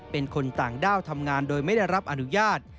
เป็นคนต่างด้าวทำงานโดยไม่ได้รับอนุญาต